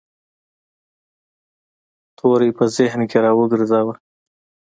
توری په ذهن کې را وګرځاوه.